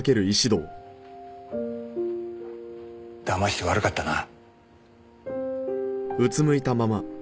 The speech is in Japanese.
騙して悪かったな。